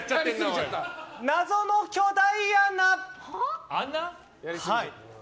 謎の巨大穴！